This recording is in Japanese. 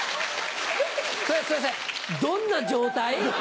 どんな状態？